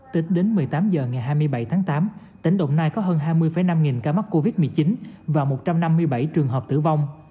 tính đến một mươi tám h ngày hai mươi bảy tháng tám tỉnh đồng nai có hơn hai mươi năm nghìn ca mắc covid một mươi chín và một trăm năm mươi bảy trường hợp tử vong